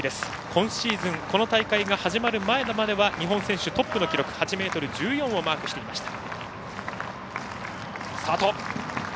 今シーズン、この大会が始まる前までは日本選手トップの記録８ｍ１４をマークしていました。